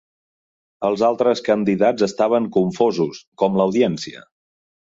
Els altres candidats estaven confosos, com l'audiència.